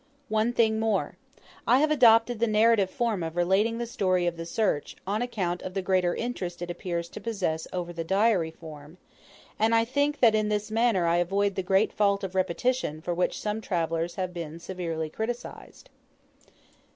One thing more; I have adopted the narrative form of relating the story of the search, on account of the greater interest it appears to possess over the diary form, and I think that in this manner I avoid the great fault of repetition for which some travellers have been severely criticised.